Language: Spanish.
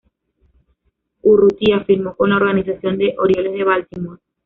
Urrutia firmó con la organización de Orioles de Baltimore.